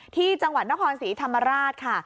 ที่จังหวัดนครศรีธรรมราชค่ะ